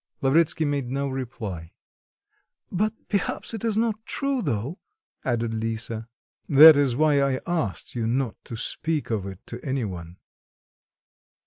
Lavretsky made no reply. "But perhaps it is not true, though," added Lisa. "That is why I asked you not to speak of it to any one."